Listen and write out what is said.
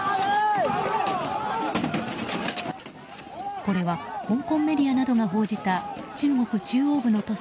これは香港メディアなどが報じた中国中央部の都市